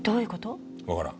わからん。